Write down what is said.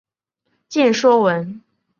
见说文。